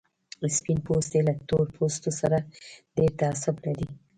سپين پوستي له تور پوستو سره ډېر تعصب لري.